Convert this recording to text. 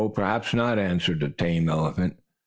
"Perhaps not," answered the tame elephant.